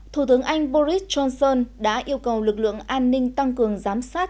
thủ tướng anh boris johnson đã yêu cầu lực lượng an ninh tăng cường giám sát